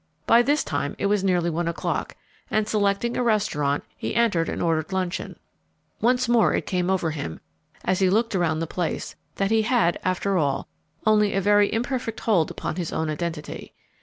By this time it was nearly one o'clock, and, selecting a restaurant, he entered and ordered luncheon. Once more it came over him, as he looked around the place, that he had, after all, only a very imperfect hold upon his own identity.